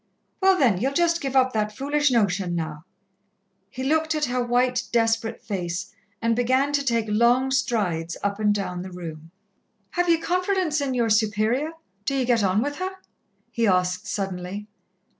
"Well, then, ye'll just give up that foolish notion, now." He looked at her white, desperate face, and began to take long strides up and down the room. "Have ye confidence in your Superior? Do ye get on with her?" he asked suddenly.